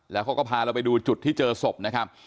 แล้วเขาก็พาเราไปดูจุดที่เจอศพนะครับ